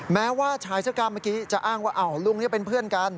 แม้ว่าชายเสื้อกล้ามเมื่อกี้จะอ้างว่าอ้าวลุงนี่เป็นเพื่อนกัน